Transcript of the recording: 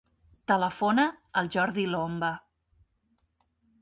Telefona al Jordi Lomba.